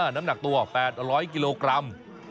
น้ำหนักตัว๘๐๐กิโลกรัม